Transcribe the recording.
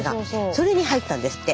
それに入ったんですって。